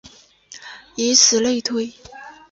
以此类推。